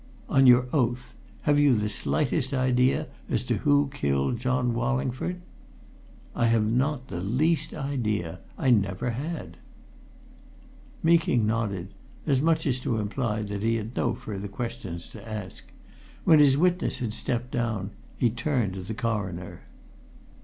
"On your oath, have you the slightest idea as to who killed John Wallingford?" "I have not the least idea! I never have had." Meeking nodded, as much as to imply that he had no further questions to ask; when his witness had stepped down, he turned to the Coroner.